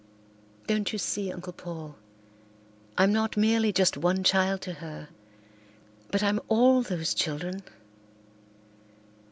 Don't you see, Uncle Paul, I'm not merely just one child to her but I'm all those children?